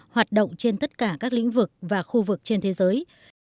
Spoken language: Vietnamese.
hoạt động trên tất cả các lĩnh vực và khu vực trên thế giới